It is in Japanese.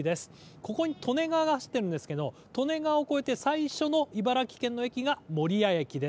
ここに利根川が走っているんですけれども利根川を越えて最初の茨城県の駅が守谷駅です。